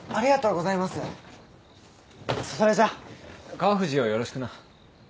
川藤をよろしくな。